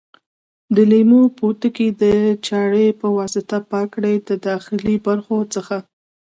د لیمو پوټکي د چاړې په واسطه پاک کړئ د داخلي پردو څخه.